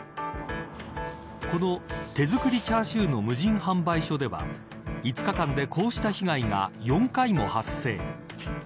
この手作りチャーシューの無人販売所では５日間でこうした被害が４回も発生。